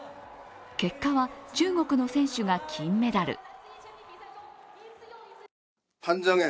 結果は中国の選手が金メダル。